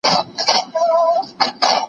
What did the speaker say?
په ټولنه کي د مثبتې جذبې رامنځته کول اړین دي.